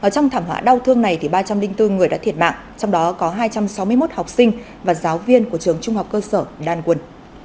trong thảm họa đau thương này ba trăm linh bốn người đã thiệt mạng trong đó có hai trăm sáu mươi một học sinh và giáo viên của trường trung học cơ sở đan